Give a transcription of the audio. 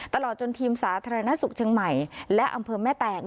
ตลอดจนทีมสาธารณสุขเชียงใหม่และอำเภอแม่แตง